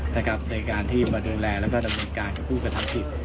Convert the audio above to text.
ในการที่มาดูแลแล้วก็ดำเนินการกับผู้กระทำผิด